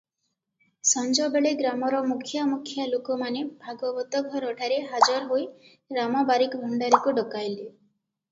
ସଞ୍ଜବେଳେ ଗ୍ରାମର ମୁଖିଆ ମୁଖିଆ ଲୋକମାନେ ଭାଗବତଘରଠାରେ ହାଜର ହୋଇ ରାମ ବାରିକ ଭଣ୍ଡାରିକୁ ଡକାଇଲେ ।